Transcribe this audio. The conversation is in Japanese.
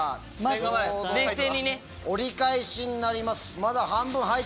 折り返しになります。